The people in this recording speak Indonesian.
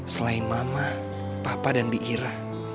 selain mama papa dan biira